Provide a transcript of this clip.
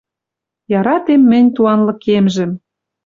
Яратем мӹнь туан лыкемжӹм